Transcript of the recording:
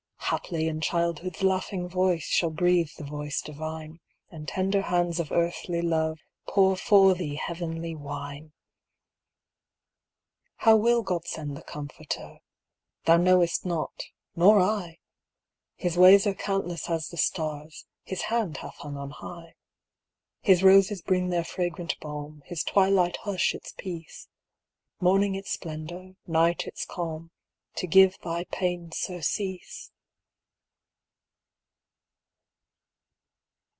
Haply in childhood's laughing voice Shall breathe the voice divine. And tender hands of earthly love Pour for thee heavenly wine ! How will God send the Comforter ? Thou knowest not, nor I ! His ways are countless as the stars His hand hath hung on high. His roses bring their fragrant balm. His twilight hush its peace. Morning its splendor, night its calm, To give thy pain surcease